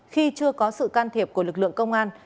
khi chưa có sự can thiệp của lực lượng công an